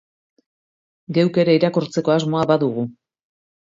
Geuk ere irakurtzeko asmoa badugu.